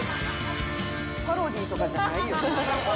「パロディーとかじゃないよ」